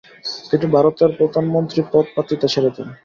তিনি ভারতের প্রধানমন্ত্রী পদ প্রার্থিতা ছেড়ে দেন।